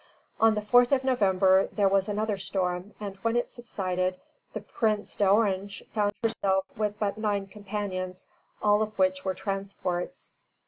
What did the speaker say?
On the 4th of November there was another storm, and when it subsided, the "Prince d'Orange" found herself with but nine companions, all of which were transports.